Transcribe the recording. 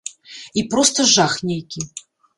І проста жах нейкі.